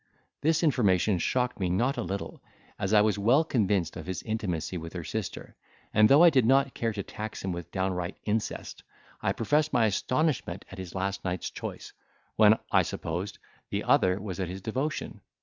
This information shocked me not a little, as I was well convinced of his intimacy with her sister; and though I did not care to tax him with downright incest, I professed my astonishment at his last night's choice, when, I supposed, the other was at his devotion.